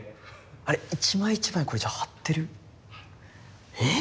あれ一枚一枚これじゃあ貼ってる？え！